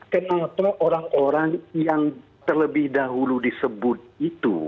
kenapa orang orang yang terlebih dahulu disebut itu